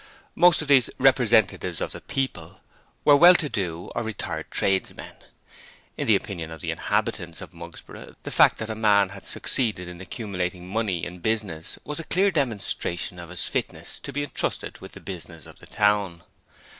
Most of these 'representatives of the people' were well to do or retired tradesmen. In the opinion of the inhabitants of Mugsborough, the fact that a man had succeeded in accumulating money in business was a clear demonstration of his fitness to be entrusted with the business of the town.